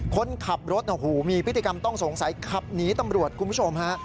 คนขับรถมีพฤติกรรมต้องสงสัยขับหนีตำรวจคุณผู้ชมฮะ